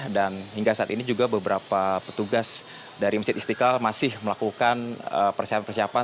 dan hingga saat ini juga beberapa petugas dari masjid istiqlal masih melakukan persiapan persiapan